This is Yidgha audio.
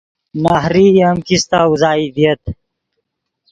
نہریئی ام کیستہ اوزائی ڤییت